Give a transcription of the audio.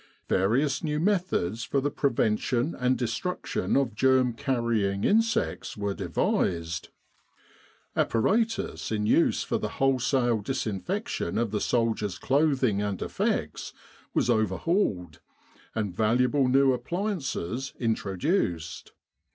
Various new methods for the preven tion and destruction of germ carrying insects were de vised. Apparatus in use for the wholesale disinfec tion of the soldiers* clothing and effects, was over hauled, and valuable new appliances introduced.